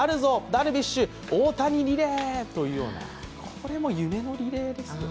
これも夢のリレーですよ。